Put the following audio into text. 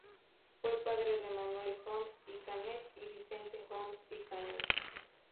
Fue padre de Manuel Oms y Canet y Vicente Oms y Canet.